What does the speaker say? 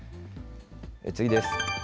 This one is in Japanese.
次です。